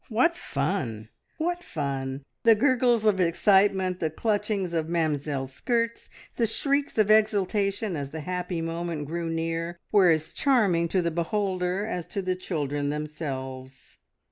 What fun! What fun! The gurgles of excitement, the clutchings of Mamzelle's skirts, the shrieks of exultation as the happy moment drew near, were as charming to the beholder as to the children themselves.